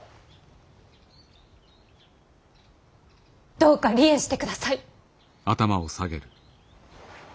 どうか離縁してください。